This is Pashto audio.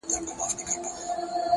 چي زه به څرنگه و غېږ ته د جانان ورځمه؛